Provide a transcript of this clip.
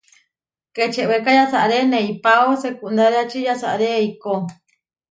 Kečewéka yasaré neipáo sekundáriači, yasaré eikó.